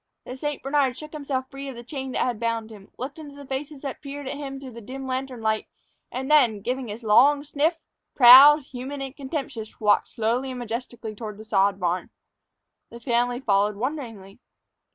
The St. Bernard shook himself free of the chain that had bound him, looked into the faces that peered at him through the dim lantern light, and then, giving a long sniff, proud, human, and contemptuous, walked slowly and majestically toward the sod barn. The family followed wonderingly.